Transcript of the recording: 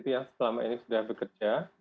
yang selama ini sudah bekerja